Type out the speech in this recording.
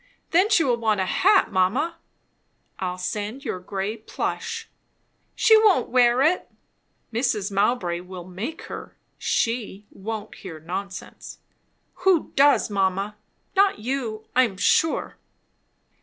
"Then she will want a hat, mamma." "I'll send your grey plush." "She won't wear it." "Mrs. Mowbray will make her. She won't hear nonsense." "Who does, mamma? Not you, I am sure."